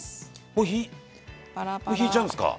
もうひいちゃうんですか？